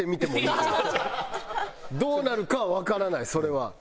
どうなるかはわからないそれは。